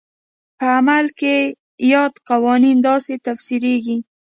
په عمل کې یاد قوانین داسې تفسیرېږي.